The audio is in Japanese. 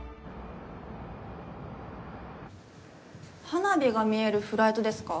花火が見えるフライトですか？